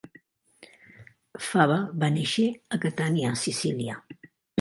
Fava va néixer a Catània, Sicília.